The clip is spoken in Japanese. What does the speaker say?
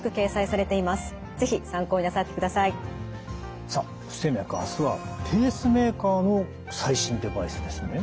さあ「不整脈」明日はペースメーカーの最新デバイスですね。